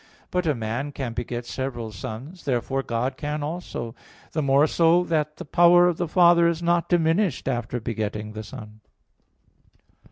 But a man can beget several sons. Therefore God can also: the more so that the power of the Father is not diminished after begetting the Son.